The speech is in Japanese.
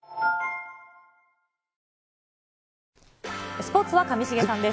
スポーツは上重さんです。